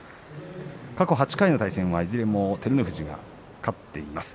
過去８回の対戦はいずれも照ノ富士が勝っています。